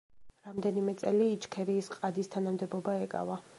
რამდენიმე წელი იჩქერიის ყადის თანამდებობა ეკავა.